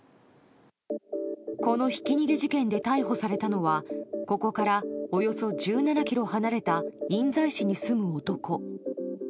このひき逃げ事件で逮捕されたのはここから、およそ１７ｋｍ離れた印西市に住む男。